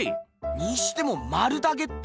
にしてもまるだけって。